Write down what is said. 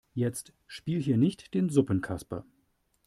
Jetzt spiel hier nicht den Suppenkasper.